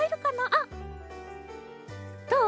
あっどう？